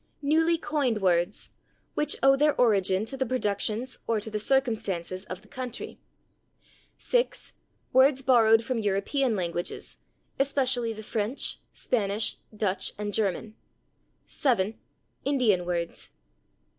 Newly coined words, which owe their origin to the productions or to the circumstances of the country. 6. Words borrowed from European languages, especially the French, Spanish, Dutch and German. 7. Indian words.